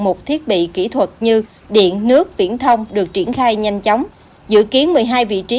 mục thiết bị kỹ thuật như điện nước viễn thông được triển khai nhanh chóng dự kiến một mươi hai vị trí